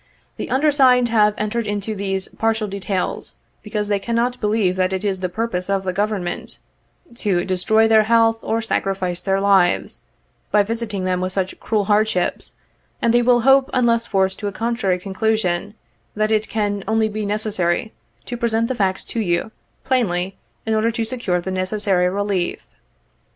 The undersigned have entered into these partial details, because they cannot believe that it is the purpose of the government to destroy 31 their health or sacrifice their lives, by visiting them with such cruel hardships, and they will hope, unless forced to a contrary conclusion, that it can only be necessary to present the facts to you, plainly, in order to secure the necessary relief.